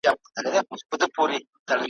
خبر نه وي د بچیو له احواله ,